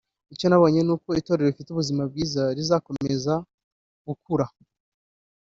Icyo nabonye ni uko Itorero rifite ubuzima bwiza rizakomeza gukura